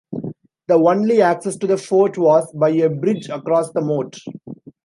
The only access to the fort was by a bridge across the moat.